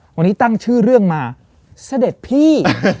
วันนี้ตั้งชื่อเรื่องมาเสด็จพี่